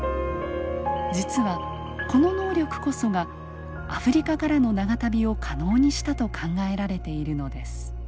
実はこの能力こそがアフリカからの長旅を可能にしたと考えられているのです。